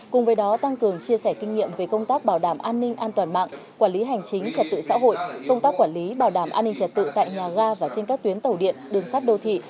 cùng với đó tăng cường chia sẻ kinh nghiệm về công tác bảo đảm an ninh an toàn mạng quản lý hành chính trật tự xã hội công tác quản lý bảo đảm an ninh trật tự tại nhà ga và trên các tuyến tàu điện đường sắt đô thị